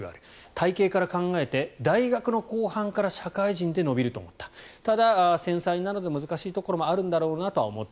体形から考えて大学の後半から社会人で伸びると思ったただ、繊細なので難しいところもあるんだろうなとは思った。